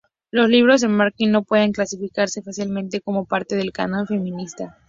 Los libros de Manning no pueden clasificarse fácilmente como parte del canon feminista.